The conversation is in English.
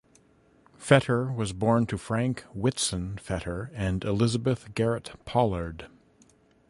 Fetter was born to Frank Whitson Fetter and Elizabeth Garrett Pollard.